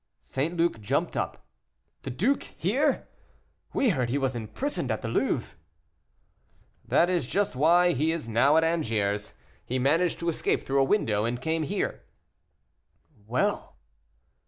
St. Luc jumped up. "The duke here! We heard he was imprisoned at the Louvre." "That is just why he is now at Angers. He managed to escape through a window, and came here." "Well?"